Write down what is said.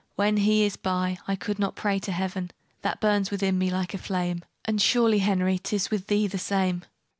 When he is by, I could not pray to Heaven. That burns within me like a flame, And surely, Henry, 'tis with thee the same.